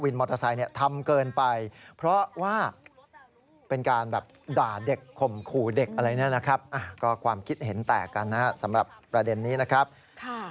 วินมอเตอร์ไซน์ทำเกินไป